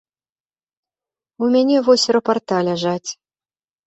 У мяне вось рапарта ляжаць.